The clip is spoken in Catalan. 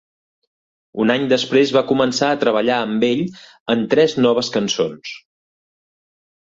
Un any després va començar a treballar amb ell en tres noves cançons.